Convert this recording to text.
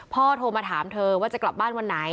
โทรมาถามเธอว่าจะกลับบ้านวันไหน